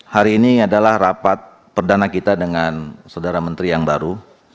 hari ini adalah rapat perdana kita dengan saudara menteri yang baru